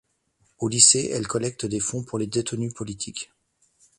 Au lycée, elle collecte des fonds pour les détenus politiques.